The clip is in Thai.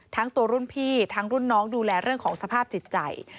ทั้งตัวรุ่นพี่ทั้งรุ่นน้องดูแลเรื่องของสภาพจิตใจ